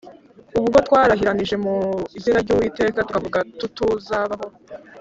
ubwo twarahiranije mu izina ry Uwiteka tukavuga tuttuzabaho